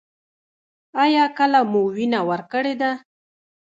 ایا کله مو وینه ورکړې ده؟